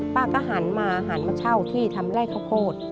ป้าก็หันมาหันมาเช่าที่ทำไร่ข้าวโพด